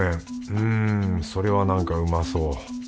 うんそれはなんかうまそう。